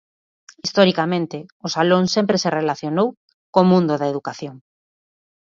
Historicamente o Salón sempre se relacionou co mundo da educación.